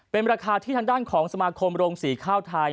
เป็นราคาที่ฐานด้านของสมาคมได้